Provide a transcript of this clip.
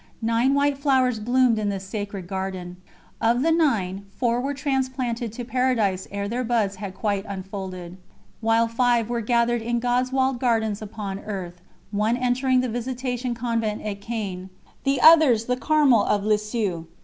Nine white flowers bloomed in this sacred garden. Of the nine, four were transplanted to Paradise ere their buds had quite unfolded, while five were gathered in God's walled gardens upon earth, one entering the Visitation Convent at Caen, the others the Carmel of Lisieux.